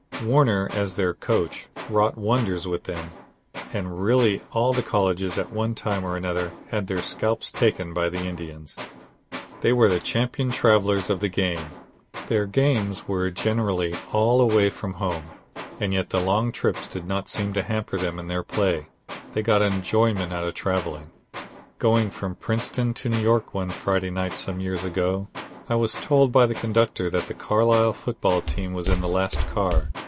Warner, as their coach, wrought wonders with them, and really all the colleges at one time or another had their scalps taken by the Indians. They were the champion travelers of the game. Their games were generally all away from home, and yet the long trips did not seem to hamper them in their play. They got enjoyment out of traveling. Going from Princeton to New York one Friday night some years ago, I was told by the conductor that the Carlisle football team was in the last car.